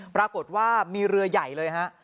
ปรากฏว่ามีเรือใหญ่เลยฮะ